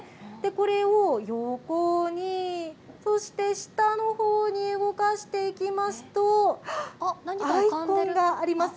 これを横に、そして下のほうに動かしていきますと、アイコンがあります。